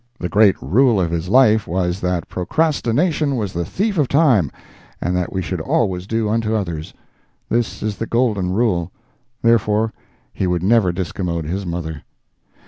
The great rule of his life was, that procrastination was the thief of time, and that we should always do unto others. This is the golden rule. Therefore, he would never discommode his mother.